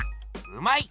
うまい！